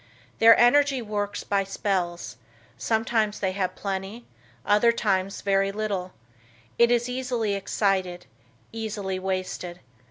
Their energy works by spells; sometimes they have plenty, other times very little; it is easily excited; easily wasted.